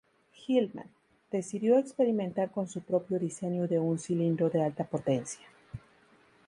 Gilman, decidió experimentar con su propio diseño de un cilindro de alta potencia.